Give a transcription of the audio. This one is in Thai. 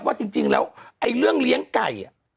ว่าจริงแล้วไอ้เรื่องเลี้ยงไก่